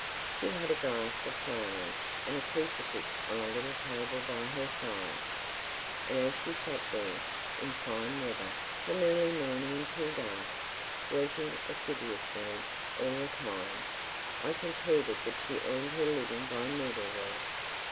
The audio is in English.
She had a glass of flowers and a crucifix on a little table by her side; and as she sat there, in fine weather, from early morning until dark, working assiduously all the time, I concluded that she earned her living by needle work.